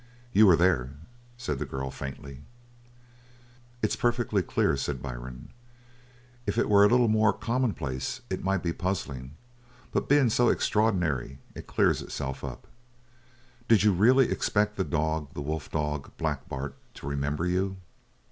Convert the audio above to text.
"You were there," said the girl, faintly. "It is perfectly clear," said Byrne. "If it were a little more commonplace it might be puzzling, but being so extraordinary it clears itself up. Did you really expect the dog, the wolf dog, Black Bart, to remember you?"